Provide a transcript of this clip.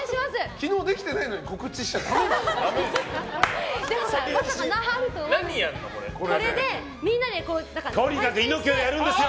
昨日できてないのに告知しちゃだめだよ。